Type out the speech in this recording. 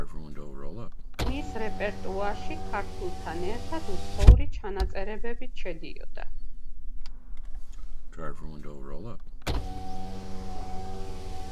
მის რეპერტუარში, ქართულთან ერთად, უცხოური ნაწარმოებებიც შედიოდა.